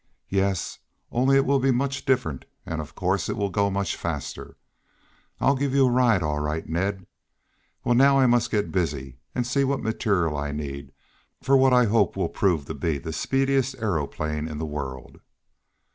"Yes, only it will be much different; and, of course, it will go much faster. I'll give you a ride, all right, Ned. Well, now I must get busy and see what material I need for what I hope will prove to be the speediest aeroplane in the world."